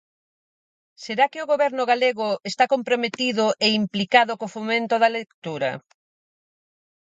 ¿Será que o Goberno galego está comprometido e implicado co fomento da lectura?